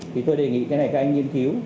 thì tôi đề nghị cái này các anh nghiên cứu